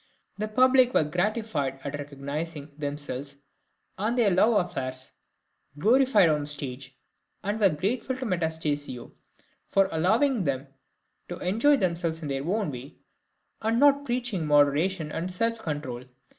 The public were gratified at recognising themselves and their love affairs glorified on the stage, and were grateful to Metastasio for allowing them to enjoy themselves in their own way, and not preaching moderation and self control.